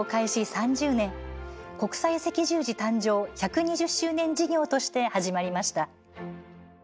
３０年国際赤十字誕生１２０周年事業として始まりました。